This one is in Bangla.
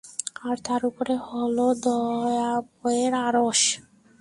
আর তার উপরে হলো দয়াময়ের আরশ।